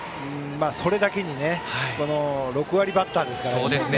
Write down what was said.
それだけに６割バッターですからね。